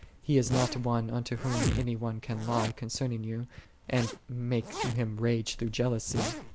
He is not one unto Whom any one can lie concerning you, and make him rage through jealousy.